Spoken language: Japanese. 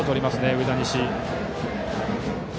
上田西。